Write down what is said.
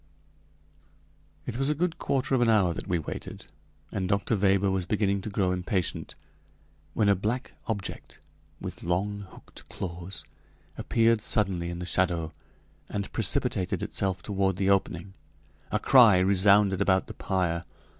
It was a good quarter of an hour that we waited, and Dr. Weber was beginning to grow impatient, when a black object, with long hooked claws, appeared suddenly in the shadow and precipitated itself toward the opening. A cry resounded about the pyre.